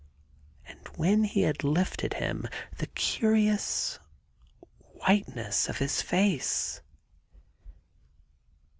... And when he had lifted him, the curious c whiteness of his face